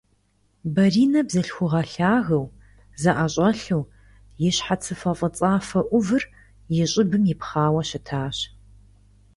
Баринэ бзылъхугъэ лъагэу, зэӀэщӀэлъу, и щхьэц фӀыцӀафэ Ӏувыр и щӀыбым ипхъауэ щытащ.